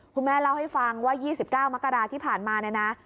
คุณแม่เล่าให้ฟังว่า๒๙มกราที่ผ่านมาเนี่ยนะ